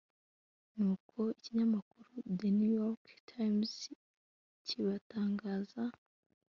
nk'uko ikinyamakuru the new york times kibitangaza